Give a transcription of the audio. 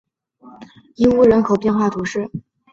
伊乌人口变化图示